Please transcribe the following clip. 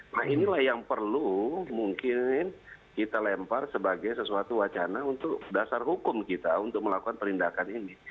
nah inilah yang perlu mungkin kita lempar sebagai sesuatu wacana untuk dasar hukum kita untuk melakukan perlindakan ini